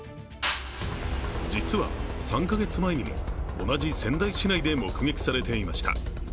実は３か月前にも同じ仙台市内で目撃されていました。